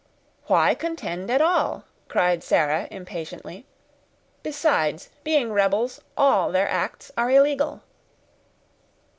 "Why contend at all?" cried Sarah, impatiently. "Besides, being rebels, all their acts are illegal."